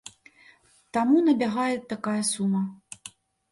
Таму набягае такая сума.